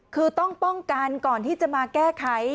คือต้องป้องกันก่อนที่จะมาแก้ไข